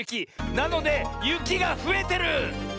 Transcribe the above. なのでゆきがふえてる！